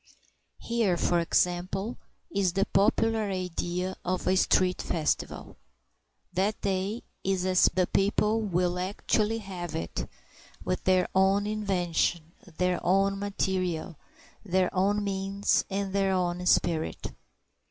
Here, for example, is the popular idea of a street festival; that day is as the people will actually have it, with their own invention, their own material, their own means, and their own spirit.